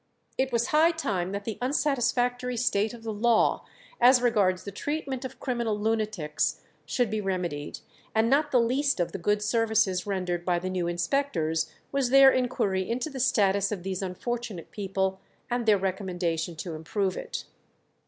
It was high time that the unsatisfactory state of the law as regards the treatment of criminal lunatics should be remedied, and not the least of the good services rendered by the new inspectors was their inquiry into the status of these unfortunate people, and their recommendation to improve it.